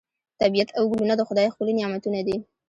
طبیعت او ګلونه د خدای ښکلي نعمتونه دي.